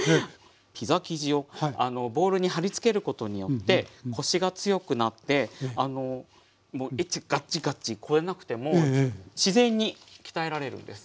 ピザ生地をボウルに貼りつけることによってコシが強くなってガッチガッチこねなくても自然に鍛えられるんです。